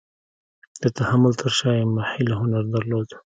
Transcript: د تحمل تر شا یې محیل هنر درلود.